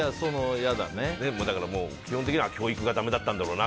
基本的には教育がだめだったんだろうな